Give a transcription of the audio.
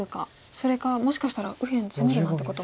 それかもしかしたら右辺攻めるなんてことも。